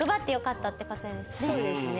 そうですね。